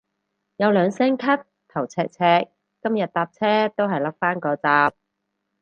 有兩聲咳頭赤赤，今日搭車都係笠返個罩